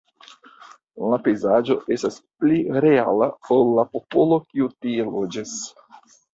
La pejzaĝo “estas pli reala ol la popolo kiu tie loĝas.